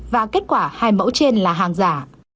và kết quả hai mẫu trên là hàng giả